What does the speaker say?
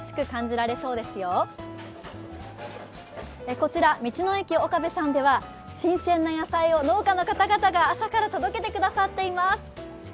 こちら道の駅おかべさんでは、新鮮な野菜を農家の方々が朝から届けてくださっています。